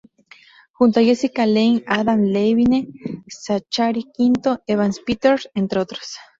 Junto a Jessica Lange, Adam Levine, Zachary Quinto, Evan Peters, entre otros.